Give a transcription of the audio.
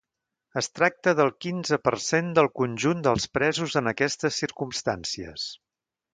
Es tracta del quinze per cent del conjunt dels presos en aquestes circumstàncies.